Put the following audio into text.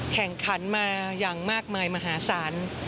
แข่งขันมาอย่างมากมายมหาศาล